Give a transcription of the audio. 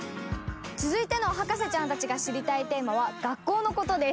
続いての博士ちゃんたちが知りたいテーマは学校の事です。